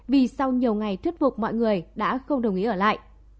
vì sau nhiều ngày thuyết phục mọi người đã không đồng ý ở lại